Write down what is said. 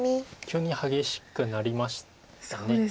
急に激しくなりました。